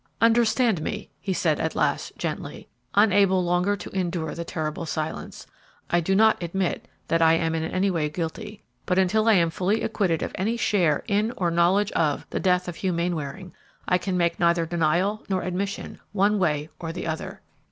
"Understand me," he said at last, gently, unable longer to endure the terrible silence, "I do not admit that I am in any way guilty, but until I am fully acquitted of any share in or knowledge of the death of Hugh Mainwaring, I can make neither denial nor admission, one way or the other."